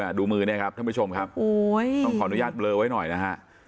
ดูมือเนี่ยครับท่านผู้ชมครับโอ้ยต้องขออนุญาตเบลอไว้หน่อยนะฮะ